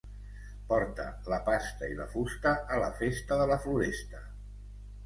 Porta la pasta i la fusta a la festa de la Floresta.